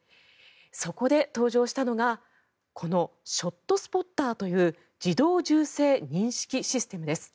そこで、登場したのがこのショットスポッターという自動銃声認識システムです。